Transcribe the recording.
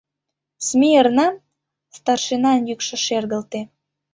— Смирно! — старшинан йӱкшӧ шергылте.